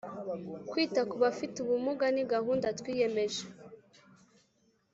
Kwita kubafite ubumuga nigahunda twiyemeje